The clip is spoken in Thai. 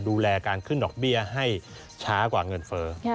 ดูแลการขึ้นดอกเบี้ยให้ช้ากว่าเงินเฟ้อ